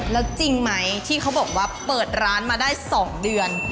แล้วจริงไหมที่เขาบอกว่าเปิดร้านมาได้๒เดือน